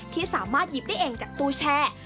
ที่สามารถหยิบได้เองจากตู้แช่